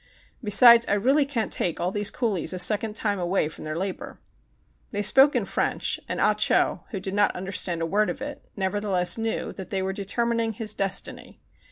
Besides, I really can't take all those coolies a second time away from their labor." , They spoke in French, and Ah Cho, who did not understand a word of it, nevertheless knew that they were determining his destiny.